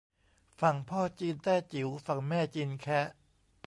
ฝั่งพ่อจีนแต้จิ๋ว ฝั่งแม่จีนแคะ